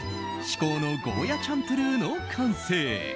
至高のゴーヤチャンプルーの完成！